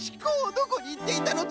どこにいっていたの！？